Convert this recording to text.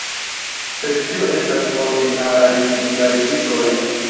Sed tio estas ordinaraj, simplaj vitroj.